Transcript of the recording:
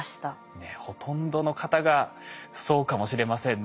ねっほとんどの方がそうかもしれませんね。